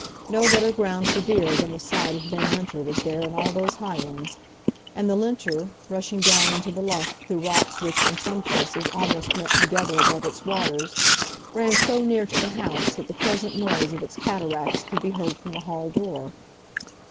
No better ground for deer than the side of Ben Linter was there in all those highlands. And the Linter, rushing down into the Lough through rocks which, in some places, almost met together above its waters, ran so near to the house that the pleasant noise of its cataracts could be heard from the hall door.